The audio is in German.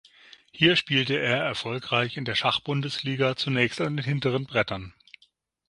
Hier spielte er erfolgreich in der Schachbundesliga zunächst an den hinteren Brettern.